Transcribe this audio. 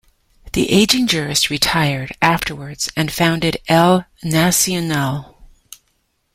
The aging jurist retired afterwards, and founded "El Nacional".